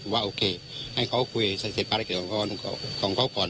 ว่าโอเคให้เขาคุยเสร็จภารกิจของเขาก่อน